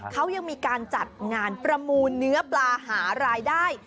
เขายังมีการจัดงานประมูลเนื้อปลาหารายได้